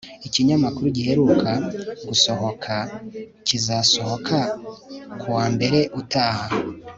ikinyamakuru giheruka gusohoka kizasohoka kuwa mbere utaha